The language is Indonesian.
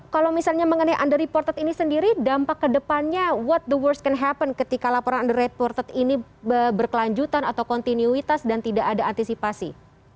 kalau misalnya mengenai under reported ini sendiri dampak ke depannya what the worst can happen ketika laporan under redported ini berkelanjutan atau kontinuitas dan tidak ada antisipasi